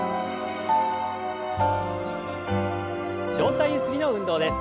上体ゆすりの運動です。